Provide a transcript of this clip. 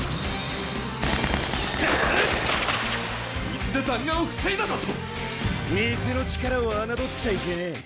水で弾丸を防いだだと⁉水の力を侮っちゃいけねえ。